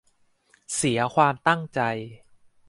เสียความตั้งใจ